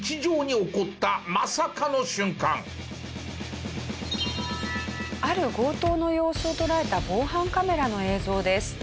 続いてはある強盗の様子を捉えた防犯カメラの映像です。